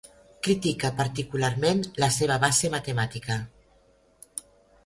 Critica particularment la seva base matemàtica.